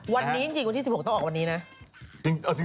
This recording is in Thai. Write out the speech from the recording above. วันนี้จริงวันที่๑๖ต้องออกวันนี้นะ